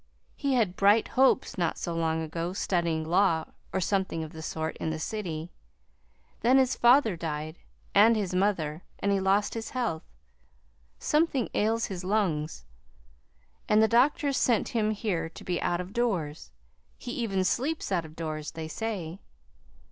He had bright hopes not so long ago studying law, or something of the sort, in the city. Then his father died, and his mother, and he lost his health. Something ails his lungs, and the doctors sent him here to be out of doors. He even sleeps out of doors, they say.